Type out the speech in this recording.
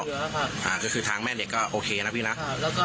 แล้วแม่เด็กก็โอเคนะพี่นะแล้วก็ให้ดูจะดูแลค่ะ